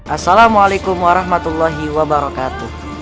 assalamualaikum warahmatullahi wabarakatuh